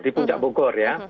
di puncak bogor ya